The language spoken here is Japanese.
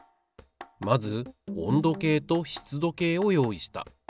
まず温度計と湿度計を用意した。